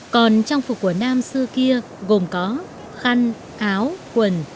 còn trong phục quần nam xưa kia gồm có khăn áo quần áo